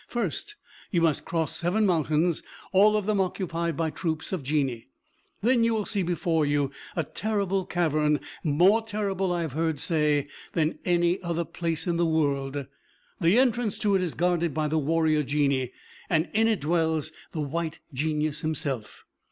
First, you must cross seven mountains, all of them occupied by troops of Genii; then you will see before you a terrible cavern more terrible, I have heard say, than any other place in the world. The entrance to it is guarded by warrior Genii, and in it dwells the White Genius himself.